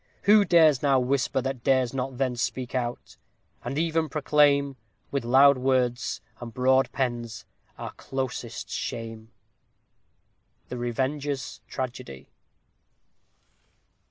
Who dares now whisper, That dares not then speak out; and even proclaim, With loud words, and broad pens, our closest shame? _The Revenger's Tragedy.